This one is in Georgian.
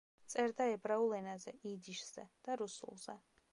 წერდა ებრაულ ენაზე, იდიშზე და რუსულზე.